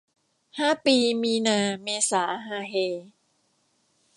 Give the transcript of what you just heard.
ห้าปีมีนาเมษาฮาเฮ